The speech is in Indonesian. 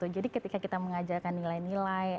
jadi ketika kita mengajarkan nilai nilai